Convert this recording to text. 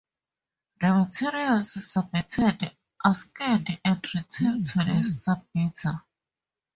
The materials submitted are scanned and returned to the submitter.